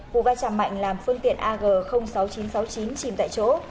cụ vai trà mạnh làm phương tiện ag sáu nghìn chín trăm sáu mươi chín chìm tại chỗ